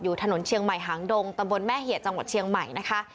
ถนนเชียงใหม่หางดงตำบลแม่เหียดจังหวัดเชียงใหม่นะคะ